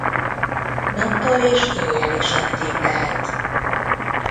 Nappal és éjjel is aktív lehet.